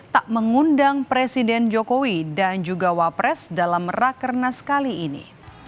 tak mengundang presiden jokowi dan juga wapres dalam rakernas kali ini